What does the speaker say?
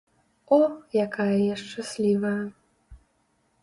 О, якая я шчаслівая!